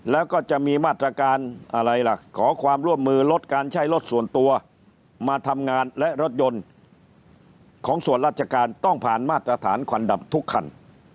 แล้วก็จะมีมาตรการอะไรล่ะขอความร่วมมือลดการใช้รถส่วนตัวมาทำงานและรถยนต์ของส่วนราชการต้องผ่านมาตรฐานควันดับทุกคัน